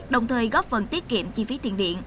đồng thời góp phần tiết kiệm chi phí tiền điện